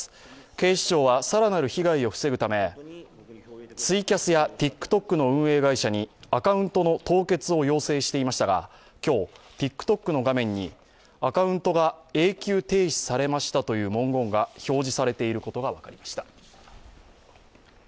警視庁は更なる被害を防ぐため、ツイキャスやＴｉｋＴｏｋの運営会社にアカウントの凍結を要請していましたが今日、ＴｉｋＴｏｋの画面にアカウントが永久停止されましたという文言が表示されていることが分かりました。